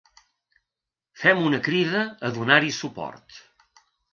Fem una crida a donar-hi suport.